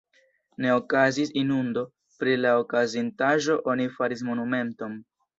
Ne okazis inundo, pri la okazintaĵo oni faris monumenton.